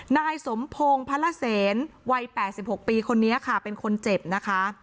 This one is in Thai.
นายสมพงศ์พระละเซนวัย๘๖ปีคนนี้ค่ะเป็นคนเจ็บนะคะ